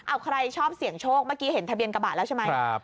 เอาใครชอบเสี่ยงโชคเมื่อกี้เห็นทะเบียนกระบะแล้วใช่ไหม